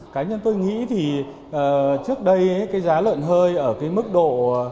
cá nhân tôi nghĩ thì trước đây cái giá lợn hơi ở cái mức độ